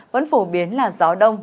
vẫn phổ biến là gió đông